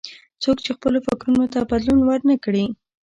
څوک چې خپلو فکرونو ته بدلون ور نه کړي.